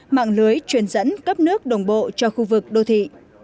mạng lưới truyền dẫn cấp nước đồng bộ cho khu vực đô thị